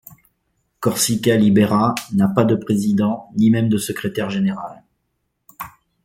Corsica Libera n'a pas de président, ni même de secrétaire général.